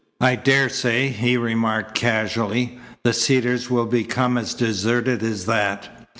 "I daresay," he remarked casually, "the Cedars will become as deserted as that.